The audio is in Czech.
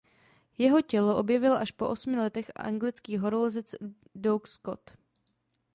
Jeho tělo objevil až po osmi letech anglický horolezec Doug Scott.